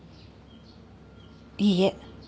いいえ。